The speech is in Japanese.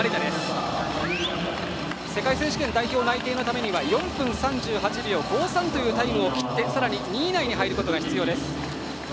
世界選手権代表内定のためには４分３８秒５３というタイムを切ってさらに２位以内に入ることが必要です。